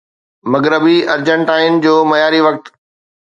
مغربي ارجنٽائن جو معياري وقت